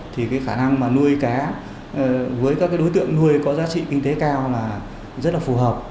thì cái khả năng mà nuôi cá với các đối tượng nuôi có giá trị kinh tế cao là rất là phù hợp